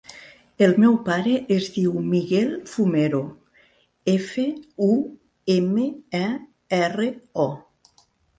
El meu pare es diu Miguel Fumero: efa, u, ema, e, erra, o.